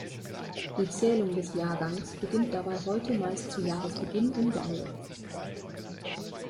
Die Zählung des Jahrgangs beginnt dabei heute meist zu Jahresbeginn im Januar.